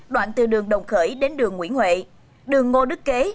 đoạn từ đường đồng khởi đến đường nguyễn huệ đường ngô đức kế